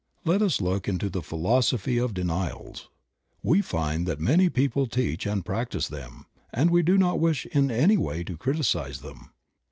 Let us look into the philosophy of denials. We find that many people teach and practise them, and we do not wish in any way to criticize them.